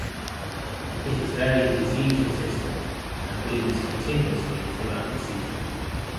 It is very disease resistant and blooms continuously throughout the season.